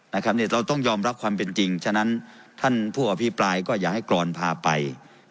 เราต้องยอมรับความเป็นจริงฉะนั้นท่านผู้อภิปรายก็อย่าให้กรอนพาไป